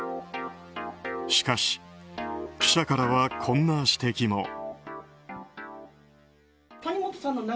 しかし、記者からはこんな指摘も。